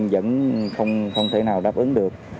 vẫn không thể nào đáp ứng được